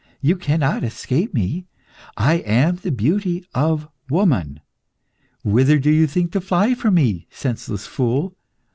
You cannot escape me; I am the beauty of woman. Whither do you think to fly from me, senseless fool?